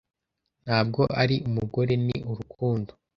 ntabwo ari umugore ni urukundo